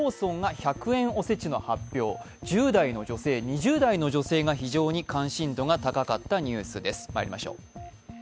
１０代の女性、２０代の女性が非常に関心度が高かったニュースです。